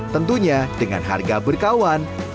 tentunya dengan harga berkawan